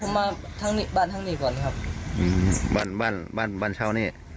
ผมมาทั้งนี้บ้านทั้งนี้ก่อนครับอืมบ้านบ้านบ้านเช่านี่